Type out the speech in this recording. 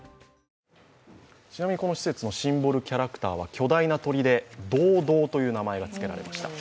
ちなみにこの施設のシンボルキャラクターは巨大な鳥で、ドウドウという名前がつけられました。